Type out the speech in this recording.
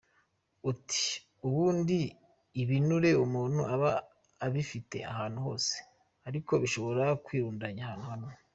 Ati “Ubundi ibinure umuntu aba abifite ahantu hose ariko bishobora kwirundanya ahantu hamwe.